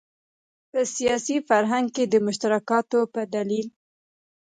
په سیاسي فرهنګ کې د مشترکاتو په دلیل.